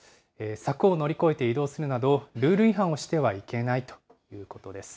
柵を乗り越えて移動するなど、ルール違反をしてはいけないということです。